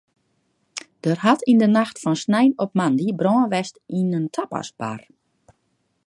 Der hat yn de nacht fan snein op moandei brân west yn in tapasbar.